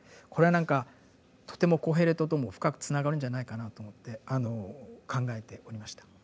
これは何かとてもコヘレトとも深くつながるんじゃないかなと思って考えておりました。